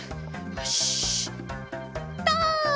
よしとう！